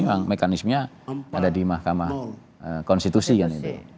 memang mekanismenya ada di mahkamah konstitusi kan